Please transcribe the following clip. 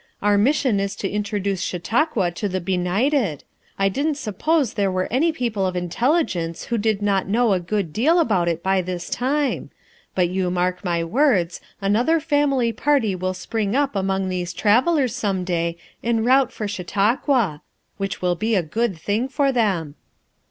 "Our mission is to introduce Chautauqua to the benighted; I didn't suppose there were any people of intelligence who did not know a good deal about it by this time. But you mark my words, another family party will spring up among these travelers some day en route for Chautauqua; which will be a good thing for them."